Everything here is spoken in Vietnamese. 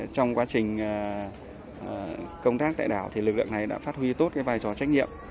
trong quá trình công tác tại đảo thì lực lượng này đã phát huy tốt vai trò trách nhiệm